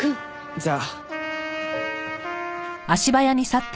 じゃあ。